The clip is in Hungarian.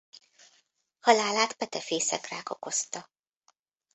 Halálát petefészekrák okozta.